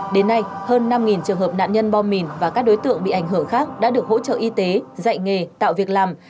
đến nay hơn năm trường hợp nạn nhân bom mìn và các đối tượng bị ảnh hưởng khác đã được hỗ trợ y tế dạy nghề tạo việc làm